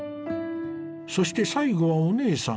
そして最後はお姉さん。